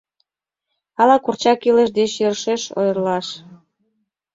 Ала курчак илыш деч йӧршеш ойырлаш?